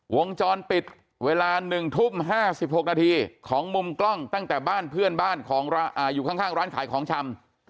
วงจรปิดเวลา๑ทุ่ม๕๖นาทีของมุมกล้องตั้งแต่บ้านเพื่อนบ้านของอยู่ข้างร้านขายของชำ